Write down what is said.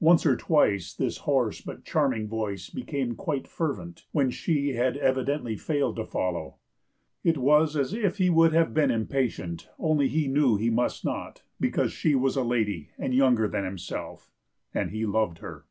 Once or twice this hoarse but charming voice became quite fervent, when she had evidently failed to follow; it was as if he would have been impatient, only he knew he must not, because she was a lady and younger than himself, and he loved her.